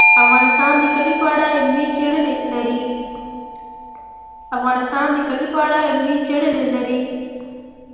افغانستان د کلي په اړه علمي څېړنې لري.